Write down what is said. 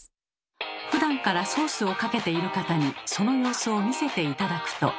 ふだんからソースをかけている方にその様子を見せて頂くと。